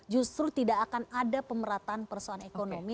justru tidak akan ada pemerataan persoalan ekonomi